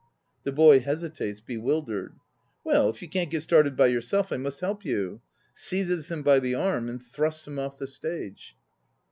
(The boy hesitates, bewildered.) Well, if you can't get started by yourself I must help you. (Seizes him by the arm and thrusts him off the stage.)